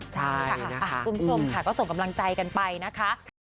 ใช่ค่ะคุณผู้ชมค่ะก็ส่งกำลังใจกันไปนะคะ